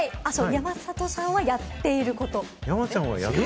山里さんはやっていること。